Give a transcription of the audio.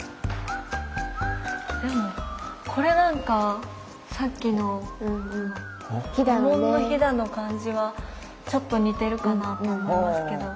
でもこれなんかさっきの衣紋のひだの感じはちょっと似てるかなと思いますけど。